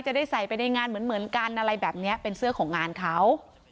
จะได้ใส่ไปในงานเหมือนกันอะไรแบบนี้เป็นเสื้อของงานเขา